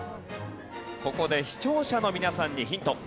ここで視聴者の皆さんにヒント。